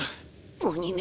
鬼め。